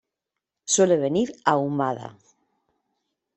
Suele venir ahumada.